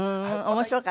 面白かった？